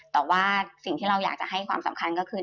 แต่ว่าสิ่งที่เราอยากจะให้ความสำคัญก็คือ